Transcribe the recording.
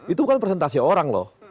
itu kan presentasi orang loh